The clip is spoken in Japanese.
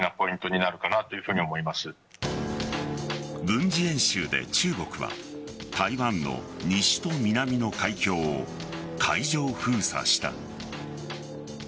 軍事演習で中国は台湾の西と南の海峡を海上封鎖した。